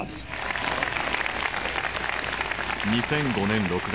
２００５年６月。